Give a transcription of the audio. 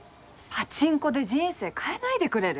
パチンコで人生変えないでくれる？